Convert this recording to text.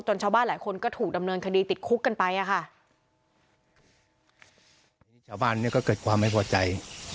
จนชาวบ้านหลายคนก็ถูกดำเนินคดีติดคุกกันไป